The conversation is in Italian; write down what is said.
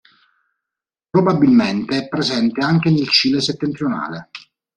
Probabilmente è presente anche nel Cile settentrionale.